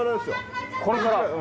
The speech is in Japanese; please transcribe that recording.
これから？